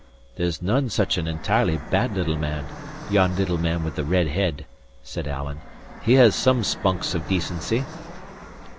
That's none such an entirely bad little man, yon little man with the red head," said Alan. "He has some spunks of decency."